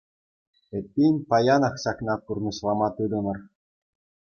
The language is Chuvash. Эппин, паянах ҫакна пурнӑҫлама тытӑнӑр!